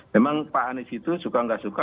memang pak anies itu suka nggak suka